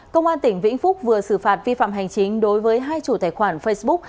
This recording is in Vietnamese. công an tỉnh vĩnh phúc vừa xử phạt vi phạm hành chính đối với hai chủ tài khoản facebook